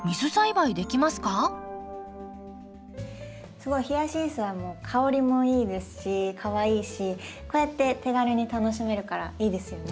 すごいヒヤシンスは香りもいいですしかわいいしこうやって手軽に楽しめるからいいですよね。